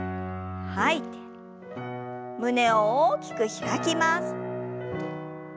胸を大きく開きます。